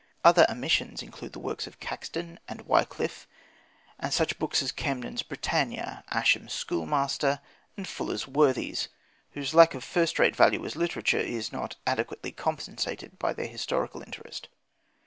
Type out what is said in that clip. Other omissions include the works of Caxton and Wyclif, and such books as Camden's Britannia, Ascham's Schoolmaster, and Fuller's Worthies, whose lack of first rate value as literature is not adequately compensated by their historical interest.